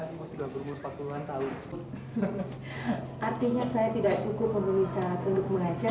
semua sudah berumur empat puluh an tahun artinya saya tidak cukup memenuhi syarat untuk mengajar